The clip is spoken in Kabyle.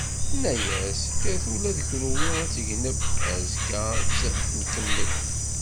Tenna-as: "Kkret ula d kunwi ad tegnem, azekka ad tt-nkemmel."